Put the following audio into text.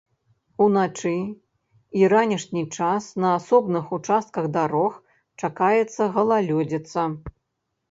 У начны і ранішні час на асобных участках дарог чакаецца галалёдзіца.